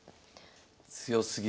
強すぎる。